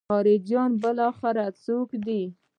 خلجیان بالاخره څوک دي.